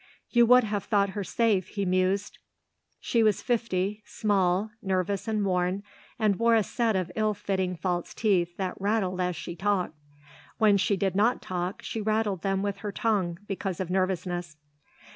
"You would have thought her safe," he mused. She was fifty, small, nervous and worn and wore a set of ill fitting false teeth that rattled as she talked. When she did not talk she rattled them with her tongue because of nervousness.